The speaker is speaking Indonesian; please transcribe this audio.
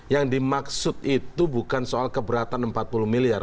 yang dimaksud itu bukan soal keberatan empat puluh miliar